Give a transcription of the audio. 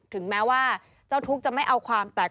ถึงแม้ว่าเจ้าทุกข์จะไม่เอาความแต่